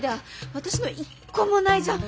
私の一個もないじゃん！